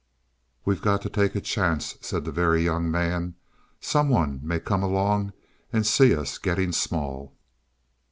"We've got to take a chance," said the Very Young Man. "Some one may come along and see us getting small."